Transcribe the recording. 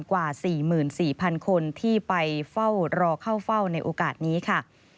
กว่า๔๔๐๐๐คนที่ไปเฝ้ารอเข้าเฝ้าในโอกาสนี้ค่ะ